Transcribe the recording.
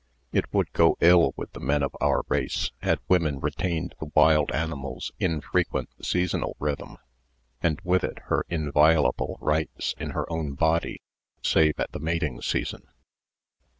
It would go ill with the men of our race had women retained the wild animals' infrequent seasonal rhythm, and with it her inviolable rights in her own body save at the mating season.